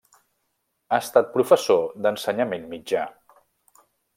Ha estat professor d'ensenyament mitjà.